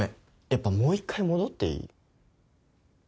やっぱもう一回戻っていい？